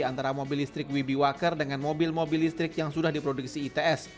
antara mobil listrik wibi wacker dengan mobil mobil listrik yang sudah diproduksi its